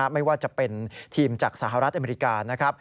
ไม่ว่าจะเป็นทีมจากสหรัฐอเมริกานะครับ